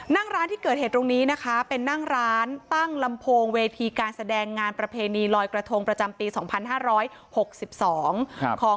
นั่งร้านที่เกิดเหตุตรงนี้นะคะเป็นนั่งร้านตั้งลำโพงเวทีการแสดงงานประเพณีลอยกระทงประจำปี๒๕๖๒ของ